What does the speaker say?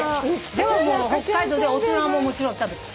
でも北海道では大人ももちろん食べて。